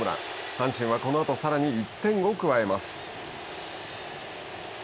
阪神はこのあとさらに１点を加えます。